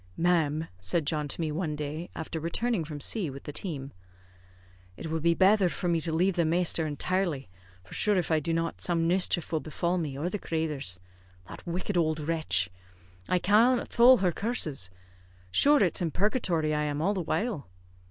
"Ma'am," said John to me one day, after returning from C with the team, "it would be betther for me to lave the masther intirely; for shure if I do not, some mischief will befall me or the crathers. That wicked owld wretch! I cannot thole her curses. Shure it's in purgatory I am all the while."